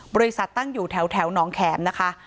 บริษัทตั้งอยู่แถวน้องแข็มนะคะ